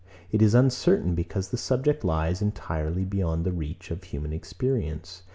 It is uncertain; because the subject lies entirely beyond the reach of human experience.